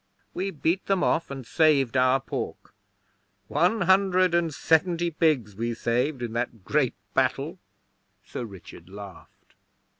We beat them off, and saved our pork. One hundred and seventy pigs we saved in that great battle.' Sir Richard laughed.